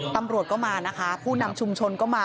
ตำรวจก็มานะคะผู้นำชุมชนก็มา